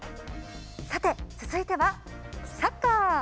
さて続いてはサッカー。